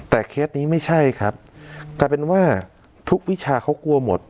แต่เคสนี้ไม่ใช่ครับกลายเป็นว่าทุกวิชาเขากลัวหมด